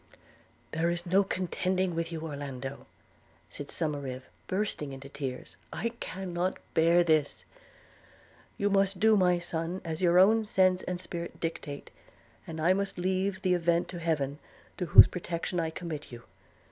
'There is no contending with you, Orlando,' said Mr Somerive, bursting into tears; 'I cannot bear this! – You must do, my son, as your own sense and spirit dictate; and I must leave the event to Heaven, to whose protection I commit you!